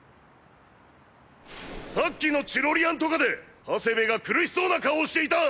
さっきのチロリアン渡過で長谷部が苦しそうな顔をしていた。